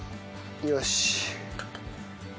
よし。